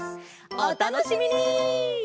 おたのしみに！